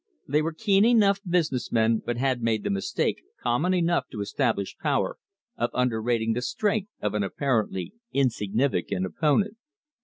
They were keen enough business men, but had made the mistake, common enough to established power, of underrating the strength of an apparently insignificant opponent.